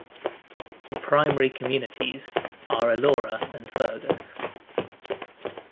The primary communities are Elora and Fergus.